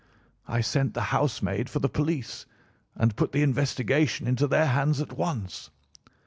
I sent the housemaid for the police and put the investigation into their hands at once.